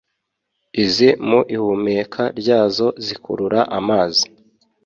izi mu ihumeka ryazo zikurura amazi